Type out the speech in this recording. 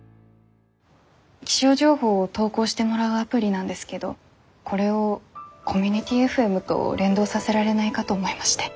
気象情報を投稿してもらうアプリなんですけどこれをコミュニティＦＭと連動させられないかと思いまして。